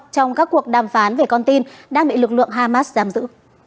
trong các cuộc đàm phán về con tin đang bị lực lượng hamas giam giữ